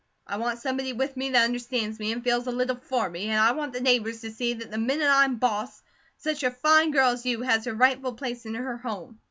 I want somebody with me that understands me, and feels a little for me, an' I want the neighbours to see that the minute I'm boss, such a fine girl as you has her rightful place in her home.